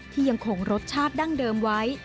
ยังคงรสชาติดั้งเดิมไว้